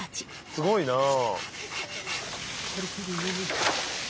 すごいなあ。